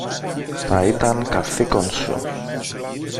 Θα ήταν καθήκον σου